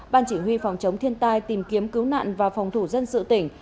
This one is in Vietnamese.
ban chỉ huy phòng chống thiên tai tìm kiếm cứu nạn và phòng thủ dân sự tỉnh